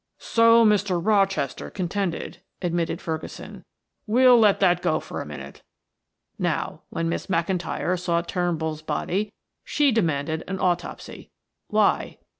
"So Mr. Rochester contended," admitted Ferguson. "We'll let that go for a minute. Now, when Miss McIntyre saw Turnbull's body, she demanded an autopsy. Why?"